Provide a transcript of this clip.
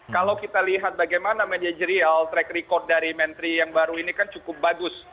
kalau kita lihat bagaimana manajerial track record dari menteri yang baru ini kan cukup bagus